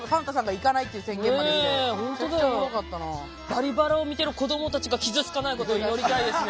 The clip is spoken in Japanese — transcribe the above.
「バリバラ」を見てる子どもたちが傷つかないことを祈りたいですね。